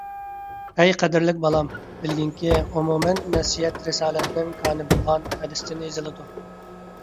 ئەي قەدىرلىك بالام، بىلگىنكى، ئومۇمەن نەسىھەت رىسالەتنىڭ كانى بولغان ھەدىستىن يېزىلىدۇ.